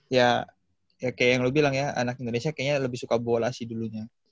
ya kayak yang lu bilang ya anak indonesia kayaknya lebih suka bola sih dulunya